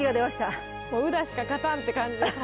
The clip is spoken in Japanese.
もう宇陀しか勝たんって感じです